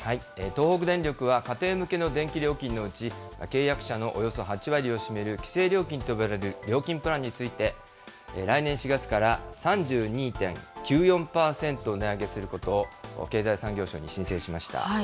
東北電力は家庭向けの電気料金のうち、契約者のおよそ８割を占める規制料金と呼ばれる料金プランについて、来年４月から３２．９４％値上げすることを、経済産業省に申請しました。